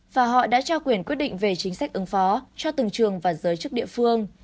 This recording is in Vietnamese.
và họ đã trao quyền quyết định về chính sách ứng phó cho từng trường và giới chức địa phương